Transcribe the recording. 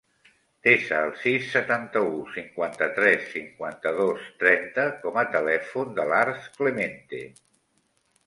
Desa el sis, setanta-u, cinquanta-tres, cinquanta-dos, trenta com a telèfon de l'Arç Clemente.